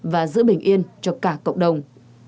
và giữ bình yên cho cả cộng đồng